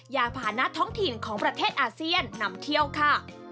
ยาพานะท้องถิ่นของประเทศอาเซียนนำเที่ยวค่ะ